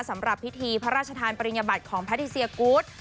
สำหรับพิธีพระราชทานปริญญบัติของแพทิเซียกูธ